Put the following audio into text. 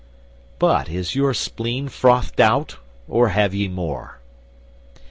But is your spleen frothed out, or have ye more?"